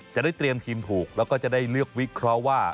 จะได้เตรียมทีมถูกแล้วก็จะได้เลือกวิเคราะห์ว่า